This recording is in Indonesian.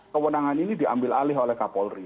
kewenangan ini diambil alih oleh kapolri